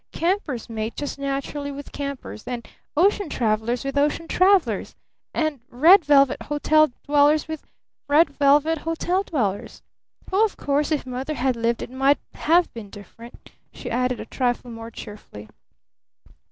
Campers mate just naturally with campers, and ocean travelers with ocean travelers and red velvet hotel dwellers with red velvet hotel dwellers. Oh, of course, if Mother had lived it might have been different," she added a trifle more cheerfully.